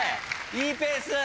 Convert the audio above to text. いいペース。